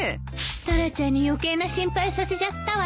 タラちゃんに余計な心配させちゃったわね。